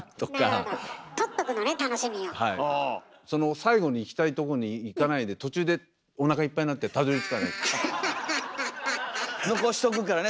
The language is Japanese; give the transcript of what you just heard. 最後にいきたいとこにいかないで途中でおなかいっぱいになって残しとくからね。